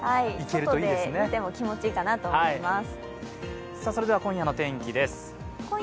外で見ても気持ちいいかなと思います。